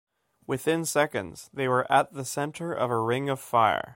Within seconds, they were at the centre of a ring of fire.